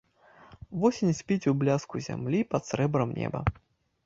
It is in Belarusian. Восень спіць у бляску зямлі пад срэбрам неба.